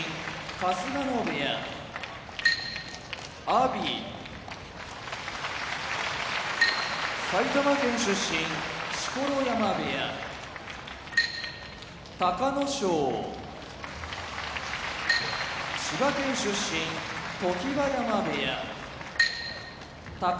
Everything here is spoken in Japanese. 阿炎埼玉県出身錣山部屋隆の勝千葉県出身常盤山部屋宝